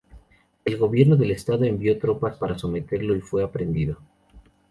El gobierno del estado envió tropas para someterlo y fue aprehendido.